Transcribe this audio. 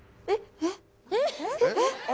えっ？